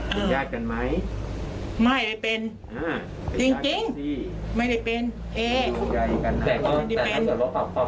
เช้ากลางวันเย็นไม่ได้เคาะ